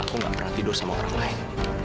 aku gak pernah tidur sama orang lain